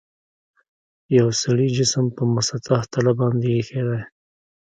یو سړي جسم په مسطح تله باندې ایښي دي.